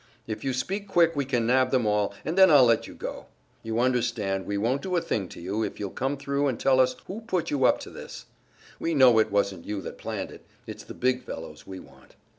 "If you speak quick we can nab them all, and then I'll let you go. You understand, we won't do a thing to you, if you'll come thru and tell us who put you up to this. We know it wasn't you that planned it; it's the big fellows we want."